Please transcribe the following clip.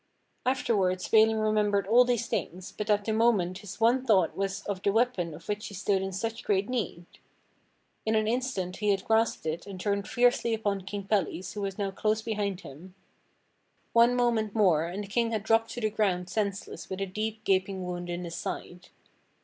Afterwards Balin remembered all these things, but at the mo ment his one thought was of the weapon of which he stood in such great need. In an instant he had grasped it and turned fiercely upon King Pelles who was now close behind him. One moment more and the King had dropped to the ground senseless with a deep, gap ing wound in his side.